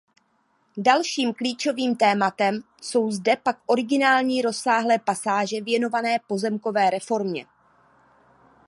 Dalším klíčovým tématem jsou zde pak originální rozsáhlé pasáže věnované pozemkové reformě.